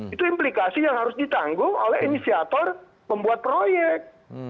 itu implikasi yang harus ditanggung oleh inisiator pembuat proyek